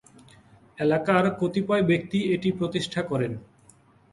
এলাকার কপিতয় ব্যক্তি এটি প্রতিষ্ঠা করেন।